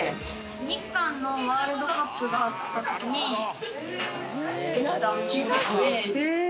日韓のワールドカップがあった時にできたお店。